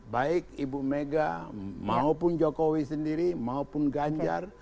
baik ibu mega maupun jokowi sendiri maupun ganjar